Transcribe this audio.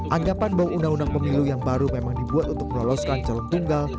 anggapan bahwa undang undang pemilu yang baru memang dibuat untuk meloloskan calon tunggal